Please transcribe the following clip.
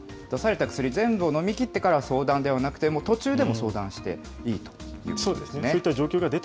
出された薬、全部を飲みきってから相談ではなくて、もう途中でも相談していいということですね。